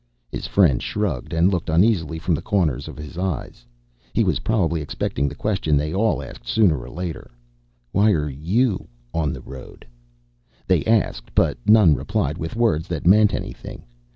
His friend shrugged and looked uneasily from the corners of his eyes. He was probably expecting the question they all asked sooner or later: Why are you on the road? They asked, but none replied with words that meant anything.